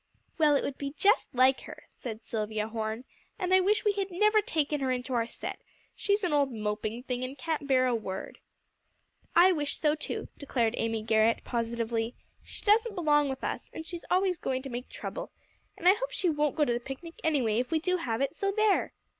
"Well, it would be just like her," said Silvia Horne, "and I wish we never had taken her into our set. She's an old moping thing, and can't bear a word." "I wish so too," declared Amy Garrett positively; "she doesn't belong with us; and she's always going to make trouble. And I hope she won't go to the picnic anyway, if we do have it, so there."